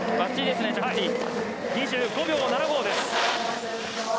２５秒７５です。